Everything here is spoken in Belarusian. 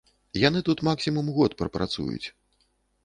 Яны тут максімум год прапрацуюць.